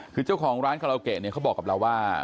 คือเจ้าของร้านคาราโอเกะเนี่ยเขาบอกกับเราว่า